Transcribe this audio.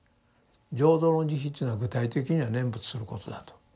浄土の慈悲というのは具体的には念仏することだと。